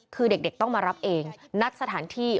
คือเด็กต้องมารับเองนัดสถานที่